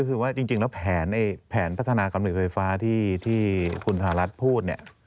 คือว่าจริงแล้วแผนแผนพัฒนากรรมนิวไฟฟ้าที่คุณธารัฐพูด